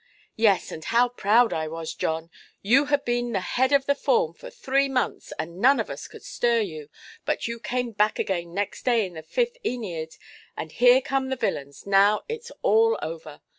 "Yes, and how proud I was, John! You had been at the head of the form for three months, and none of us could stir you; but you came back again next day in the fifth Æneid. But here come the villains—now itʼs all over".